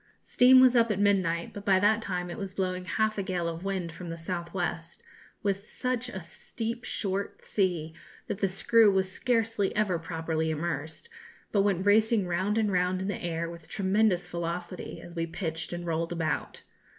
Steam was up at midnight, but by that time it was blowing half a gale of wind from the south west, with such a steep short sea that the screw was scarcely ever properly immersed, but went racing round and round in the air with tremendous velocity, as we pitched and rolled about.